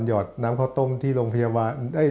หอดน้ำข้าวต้มที่โรงพยาบาล